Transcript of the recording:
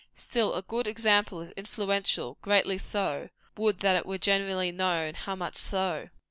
Still, a good example is influential greatly so: would that it were generally known how much so!